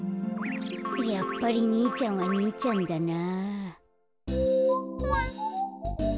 やっぱりにいちゃんはにいちゃんだな。